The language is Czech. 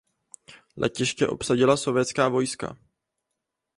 Letiště obsadila sovětská vojska.